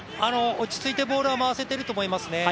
落ち着いてボールは回せていると思いますね。